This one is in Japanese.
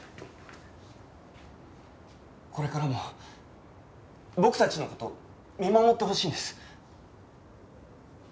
これからも僕たちの事見守ってほしいんです。